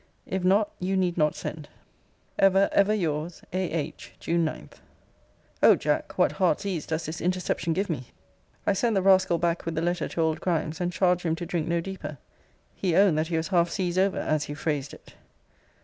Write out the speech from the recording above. If not, you need not send. 'Ever, ever your's, 'A.H. 'June 9.' O Jack! what heart's ease does this interception give me! I sent the rascal back with the letter to old Grimes, and charged him to drink no deeper. He owned, that he was half seas over, as he phrased it.